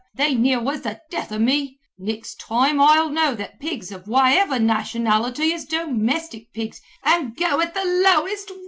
They near was the death o' me. Nixt toime I'll know that pigs of whaiver nationality is domistic pets an' go at the lowest rate."